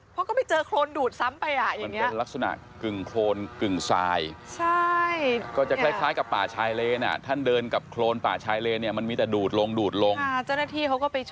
เพราะก็ไปเจอโครนดูดซ้ำไปอ่ะอย่างนี้